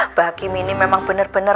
mbak kim ini memang bener bener